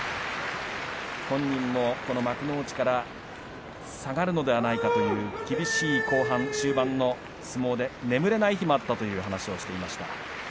本人も、この幕内から下がるのではないかという厳しい終盤の相撲で眠れない日もあったという話をしていました。